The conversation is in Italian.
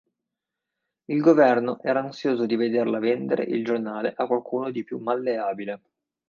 Il governo era ansioso di vederla vendere il giornale a qualcuno di più malleabile.